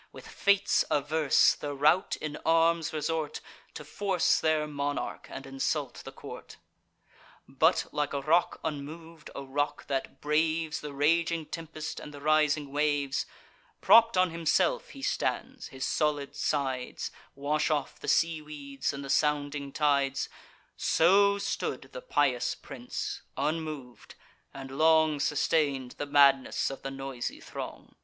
With fates averse, the rout in arms resort, To force their monarch, and insult the court. But, like a rock unmov'd, a rock that braves The raging tempest and the rising waves, Propp'd on himself he stands; his solid sides Wash off the seaweeds, and the sounding tides: So stood the pious prince, unmov'd, and long Sustain'd the madness of the noisy throng.